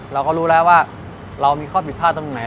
เราก็รู้แล้วว่าเรามีข้อผิดพลาดตรงไหน